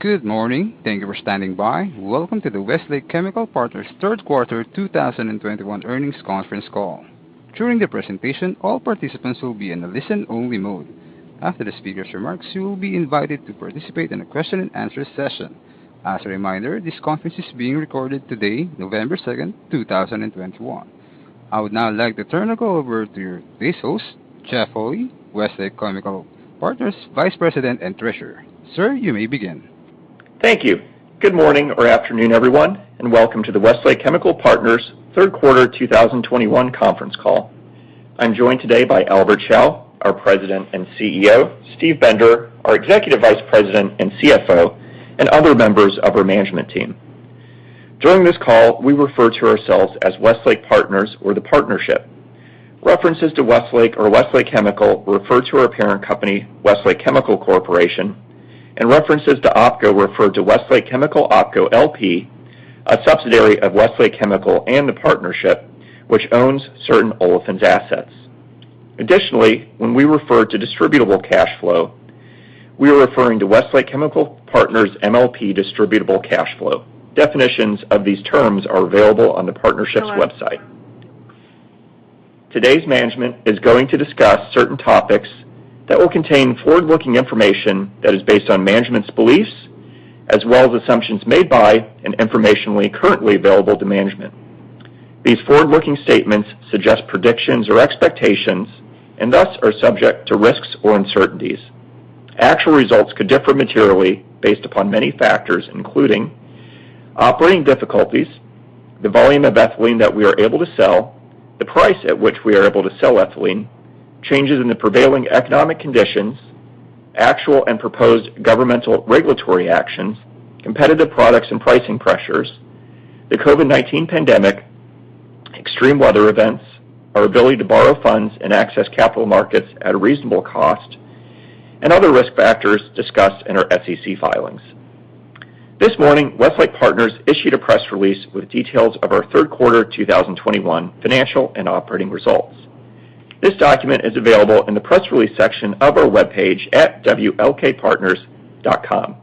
Good morning. Thank you for standing by. Welcome to the Westlake Chemical Partners Third Quarter 2021 Earnings Conference Call. During the presentation, all participants will be in a listen only mode. After the speakers' remarks, you will be invited to participate in a question-and-answer session. As a reminder, this conference is being recorded today, November 2, 2021. I would now like to turn the call over to your host, Jeff Holy, Westlake Chemical Partners Vice President and Treasurer. Sir, you may begin. Thank you. Good morning or afternoon, everyone, and welcome to the Westlake Chemical Partners Third Quarter 2021 Conference Call. I'm joined today by Albert Chao, our President and CEO, Steve Bender, our Executive Vice President and CFO, and other members of our management team. During this call, we refer to ourselves as Westlake Partners or the Partnership. References to Westlake or Westlake Chemical refer to our parent company, Westlake Chemical Corporation, and references to OpCo refer to Westlake Chemical OpCo LP, a subsidiary of Westlake Chemical and the Partnership, which owns certain Olefins assets. Additionally, when we refer to distributable cash flow, we are referring to Westlake Chemical Partners MLP distributable cash flow. Definitions of these terms are available on the Partnership's website. Today's management is going to discuss certain topics that will contain forward-looking information that is based on management's beliefs as well as assumptions made by management and information currently available to management. These forward-looking statements suggest predictions or expectations and, thus, are subject to risks or uncertainties. Actual results could differ materially based upon many factors, including operating difficulties, the volume of ethylene that we are able to sell, the price at which we are able to sell ethylene, changes in the prevailing economic conditions, actual and proposed governmental regulatory actions, competitive products and pricing pressures, the COVID-19 pandemic, extreme weather events, our ability to borrow funds and access capital markets at a reasonable cost, and other risk factors discussed in our SEC filings. This morning, Westlake Partners issued a press release with details of our third quarter 2021 financial and operating results. This document is available in the press release section of our webpage at wlkpartners.com.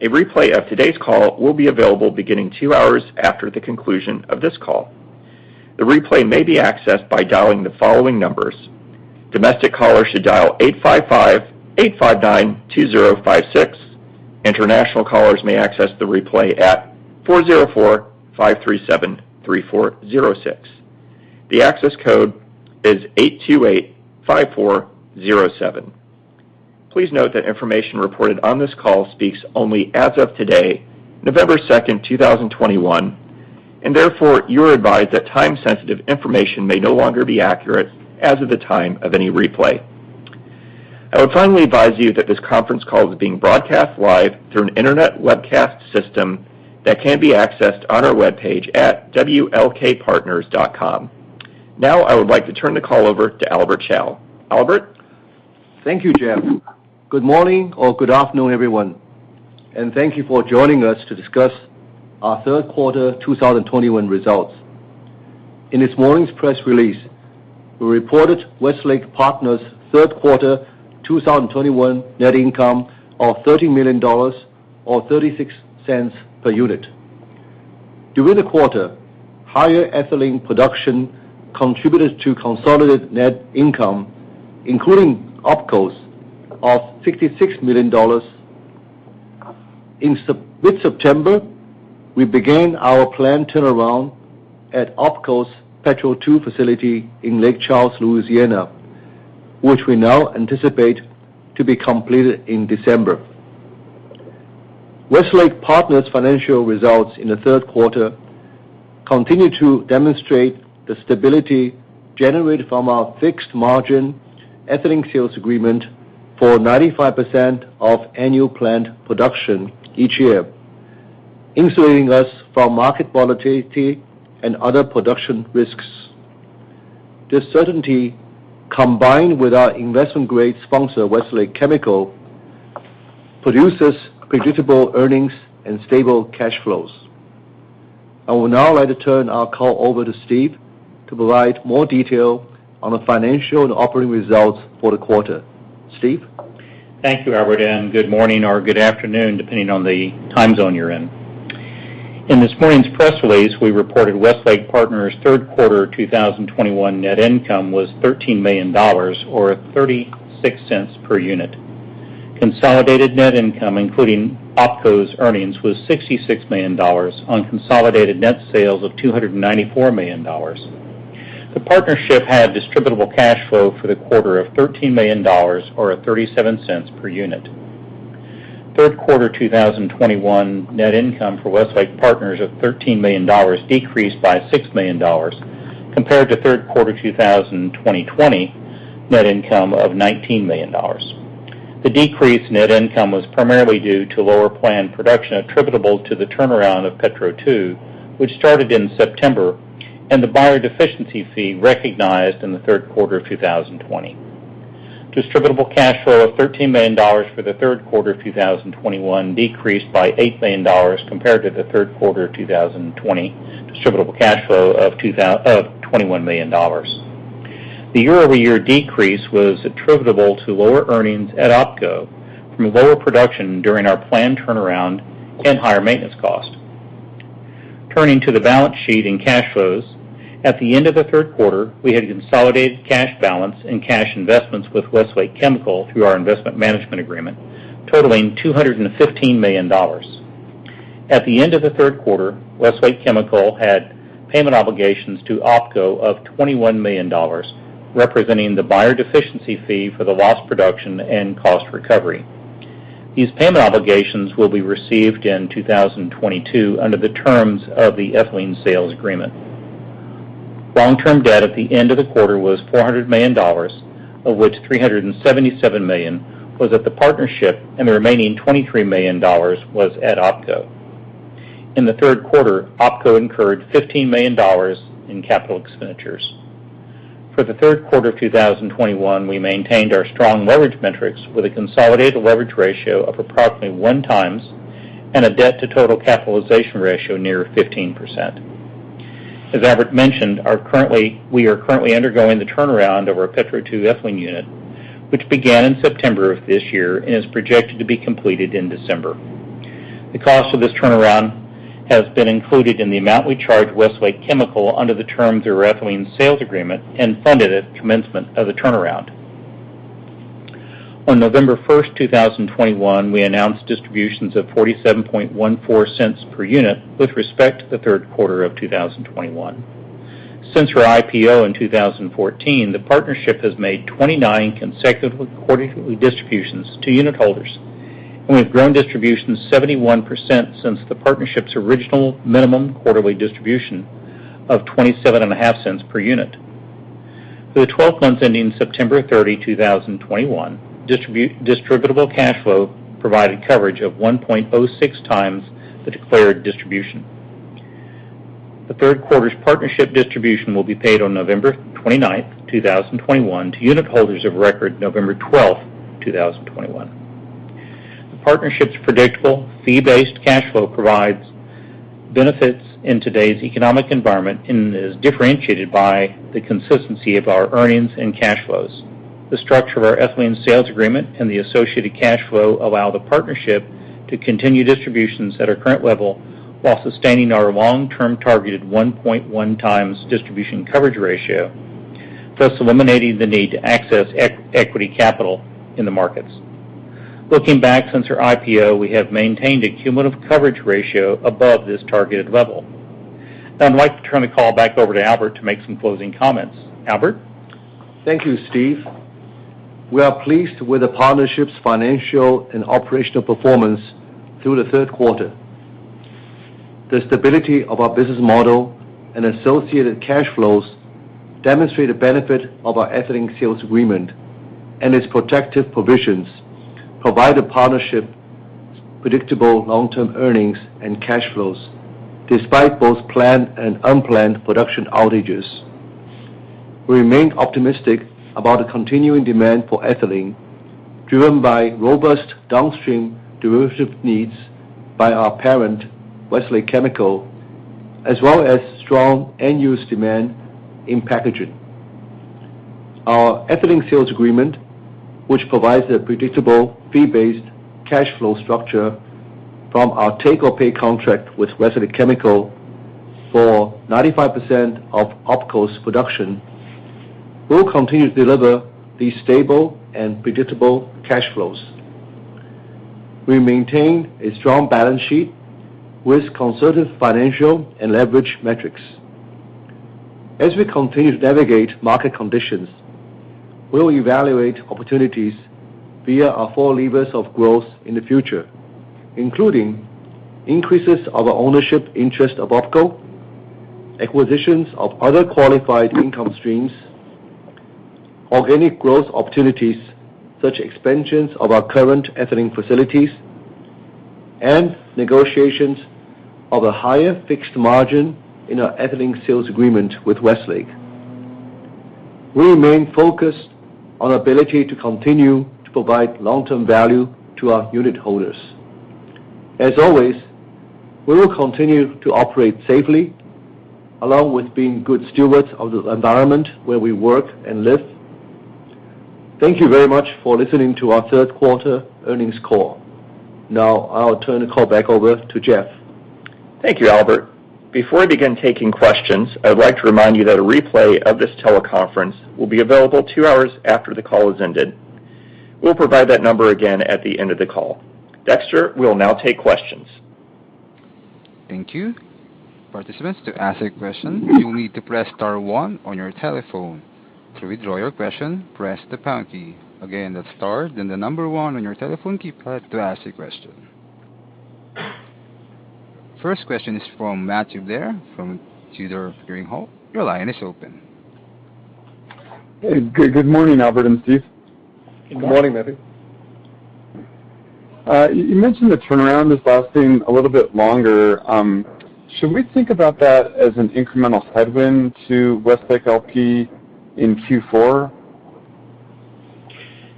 A replay of today's call will be available beginning two hours after the conclusion of this call. The replay may be accessed by dialing the following numbers. Domestic callers should dial 855-859-2056. International callers may access the replay at 404-537-3406. The access code is 828-5407. Please note that information reported on this call speaks only as of today, November 2, 2021, and therefore, you're advised that time-sensitive information may no longer be accurate as of the time of any replay. I would finally advise you that this conference call is being broadcast live through an internet webcast system that can be accessed on our webpage at wlkpartners.com. Now, I would like to turn the call over to Albert Chao. Albert? Thank you, Jeff. Good morning or good afternoon, everyone, and thank you for joining us to discuss our third quarter 2021 results. In this morning's press release, we reported Westlake Partners' third quarter 2021 net income of $13 million or $0.36 per unit. During the quarter, higher ethylene production contributed to consolidated net income, including OpCo's of $66 million. In mid-September, we began our planned turnaround at OpCo's Petro 2 facility in Lake Charles, Louisiana, which we now anticipate to be completed in December. Westlake Partners' financial results in the third quarter continued to demonstrate the stability generated from our fixed margin ethylene sales agreement for 95% of annual plant production each year, insulating us from market volatility and other production risks. This certainty, combined with our investment-grade sponsor, Westlake Chemical, produces predictable earnings and stable cash flows. I would now like to turn our call over to Steve to provide more detail on the financial and operating results for the quarter. Steve? Thank you, Albert, and good morning or good afternoon, depending on the time zone you're in. In this morning's press release, we reported Westlake Partners' third quarter 2021 net income was $13 million or $0.36 per unit. Consolidated net income, including OpCo's earnings, was $66 million on consolidated net sales of $294 million. The Partnership had distributable cash flow for the quarter of $13 million or $0.37 per unit. Third quarter 2021 net income for Westlake Partners of $13 million decreased by $6 million compared to third quarter 2020 net income of $19 million. The decreased net income was primarily due to lower planned production attributable to the turnaround of Petro 2, which started in September, and the buyer deficiency fee recognized in the third quarter of 2020. Distributable cash flow of $13 million for the third quarter of 2021 decreased by $8 million compared to the third quarter of 2020 distributable cash flow of $21 million. The year-over-year decrease was attributable to lower earnings at OpCo from lower production during our planned turnaround and higher maintenance cost. Turning to the balance sheet and cash flows. At the end of the third quarter, we had a consolidated cash balance and cash investments with Westlake Chemical through our investment management agreement, totaling $215 million. At the end of the third quarter, Westlake Chemical had payment obligations to OpCo of $21 million, representing the buyer deficiency fee for the lost production and cost recovery. These payment obligations will be received in 2022 under the terms of the ethylene sales agreement. Long-term debt at the end of the quarter was $400 million, of which $377 million was at the partnership and the remaining $23 million was at OpCo. In the third quarter, OpCo incurred $15 million in capital expenditures. For the third quarter of 2021, we maintained our strong leverage metrics with a consolidated leverage ratio of approximately 1x and a debt to total capitalization ratio near 15%. As Albert mentioned, we are currently undergoing the turnaround of our Petro 2 ethylene unit, which began in September of this year and is projected to be completed in December. The cost of this turnaround has been included in the amount we charge Westlake Chemical under the terms of our ethylene sales agreement and funded at commencement of the turnaround. On November 1, 2021, we announced distributions of $0.4714 per unit with respect to the third quarter of 2021. Since our IPO in 2014, the partnership has made 29 consecutive quarterly distributions to unitholders, and we've grown distributions 71% since the partnership's original minimum quarterly distribution of $0.275 per unit. For the 12 months ending September 30, 2021, distributable cash flow provided coverage of 1.06 times the declared distribution. The third quarter's partnership distribution will be paid on November 29, 2021 to unitholders of record November 12, 2021. The partnership's predictable fee-based cash flow provides benefits in today's economic environment and is differentiated by the consistency of our earnings and cash flows. The structure of our ethylene sales agreement and the associated cash flow allow the partnership to continue distributions at our current level while sustaining our long-term targeted 1.1 times distribution coverage ratio, thus eliminating the need to access equity capital in the markets. Looking back, since our IPO, we have maintained a cumulative coverage ratio above this targeted level. Now I'd like to turn the call back over to Albert to make some closing comments. Albert? Thank you, Steve. We are pleased with the partnership's financial and operational performance through the third quarter. The stability of our business model and associated cash flows demonstrate the benefit of our ethylene sales agreement, and its protective provisions provide the partnership predictable long-term earnings and cash flows, despite both planned and unplanned production outages. We remain optimistic about the continuing demand for ethylene, driven by robust downstream derivative needs by our parent, Westlake Chemical, as well as strong end-use demand in packaging. Our ethylene sales agreement, which provides a predictable fee-based cash flow structure from our take-or-pay contract with Westlake Chemical for 95% of OpCo's production, will continue to deliver these stable and predictable cash flows. We maintain a strong balance sheet with conservative financial and leverage metrics. As we continue to navigate market conditions, we will evaluate opportunities via our four levers of growth in the future, including increases of our ownership interest of OpCo, acquisitions of other qualified income streams, organic growth opportunities, such expansions of our current ethylene facilities, and negotiations of a higher fixed margin in our ethylene sales agreement with Westlake. We remain focused on our ability to continue to provide long-term value to our unit holders. As always, we will continue to operate safely, along with being good stewards of the environment where we work and live. Thank you very much for listening to our third quarter earnings call. Now I'll turn the call back over to Jeff. Thank you, Albert. Before I begin taking questions, I'd like to remind you that a replay of this teleconference will be available two hours after the call has ended. We'll provide that number again at the end of the call. Dexter, we'll now take questions. Thank you. Participants, to ask a question, you'll need to press star one on your telephone. To withdraw your question, press the pound key. Again, that's star, then the number one on your telephone keypad to ask a question. First question is from Matthew Blair from Tudor, Pickering, Holt & Co Your line is open. Hey. Good morning, Albert and Steve Good morning. Good morning, Matthew. You mentioned the turnaround is lasting a little bit longer. Should we think about that as an incremental headwind to Westlake LP in Q4?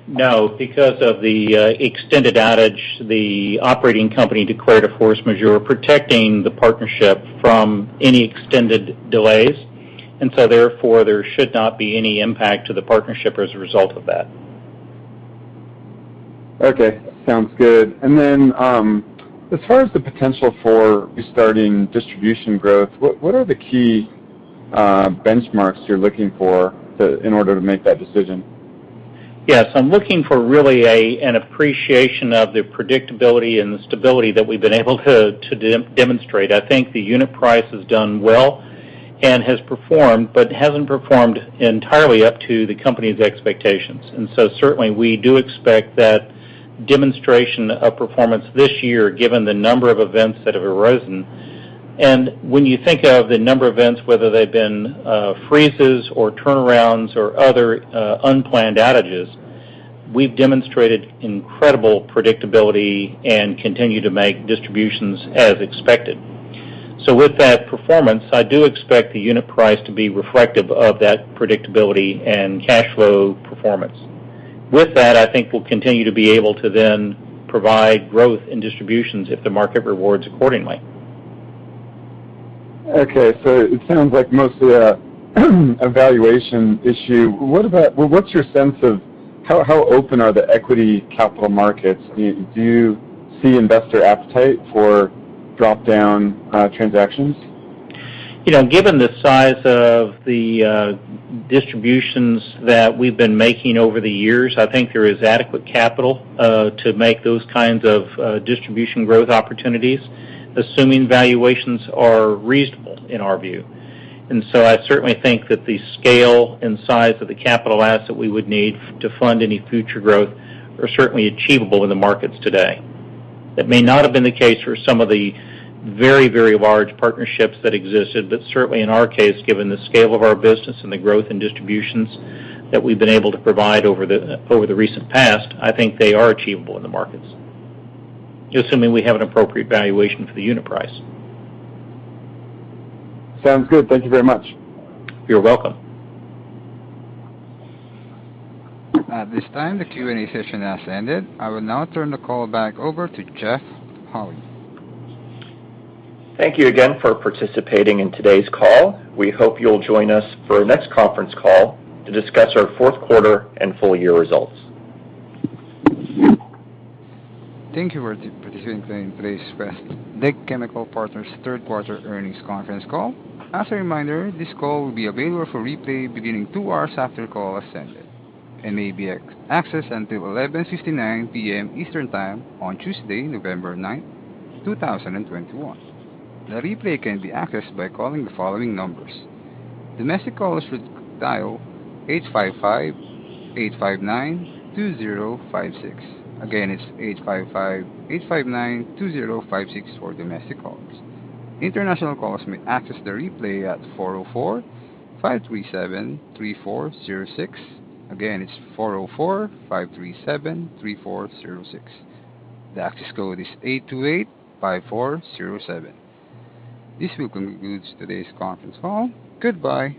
No, because of the extended outage, the operating company declared a force majeure protecting the partnership from any extended delays. Therefore, there should not be any impact to the partnership as a result of that. Okay, sounds good. As far as the potential for restarting distribution growth, what are the key benchmarks you're looking for in order to make that decision? Yes. I'm looking for really an appreciation of the predictability and the stability that we've been able to demonstrate. I think the unit price has done well and has performed, but hasn't performed entirely up to the company's expectations. Certainly we do expect that demonstration of performance this year, given the number of events that have arisen. When you think of the number of events, whether they've been freezes or turnarounds or other unplanned outages, we've demonstrated incredible predictability and continue to make distributions as expected. With that performance, I do expect the unit price to be reflective of that predictability and cash flow performance. With that, I think we'll continue to be able to then provide growth in distributions if the market rewards accordingly. Okay. It sounds like mostly an evaluation issue. What about what's your sense of how open are the equity capital markets? Do you see investor appetite for drop-down transactions? You know, given the size of the distributions that we've been making over the years, I think there is adequate capital to make those kinds of distribution growth opportunities, assuming valuations are reasonable in our view. I certainly think that the scale and size of the capital asset we would need to fund any future growth are certainly achievable in the markets today. That may not have been the case for some of the very, very large partnerships that existed. Certainly in our case, given the scale of our business and the growth in distributions that we've been able to provide over the recent past, I think they are achievable in the markets, assuming we have an appropriate valuation for the unit price. Sounds good. Thank you very much. You're welcome. At this time, the Q&A session has ended. I will now turn the call back over to Jeff Holy. Thank you again for participating in today's call. We hope you'll join us for our next conference call to discuss our fourth quarter and full year results. Thank you for participating in today's Westlake Chemical Partners Third Quarter Earnings Conference Call. As a reminder, this call will be available for replay beginning two hours after the call has ended and may be accessed until 11:59 P.M. Eastern Time on Tuesday, November 9, 2021. The replay can be accessed by calling the following numbers: Domestic calls should dial 855-859-2056. Again, it's 855-859-2056 for domestic calls. International calls may access the replay at 404-537-3406. Again, it's 404-537-3406. The access code is 828-5407. This will conclude today's conference call. Goodbye.